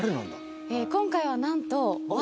今回はなんと。